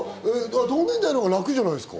同年代のほうが楽じゃないですか？